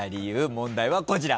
問題はこちら。